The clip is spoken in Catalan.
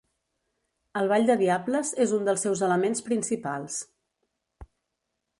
El Ball de Diables és un dels seus elements principals.